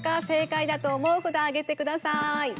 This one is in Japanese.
正解だと思うふだあげてください！